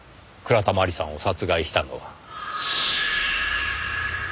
倉田真理さんを殺害したのは。